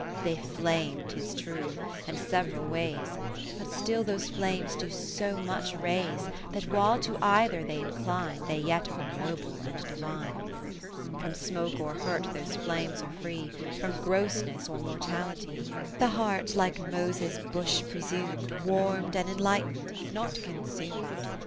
IV They flame, 'tis true, and several ways, But still those Flames do so much raise, That while to either they incline, They yet are noble and divine. V From smoke or hurt those flames are free, From grossness or mortality : The heart (like Moses' Bush pre sumed) Warm'd and enlightened, not consumed.